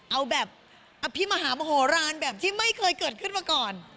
เอาแบบอภิมหามโหลานแบบที่ไม่เคยเกิดขึ้นมาก่อน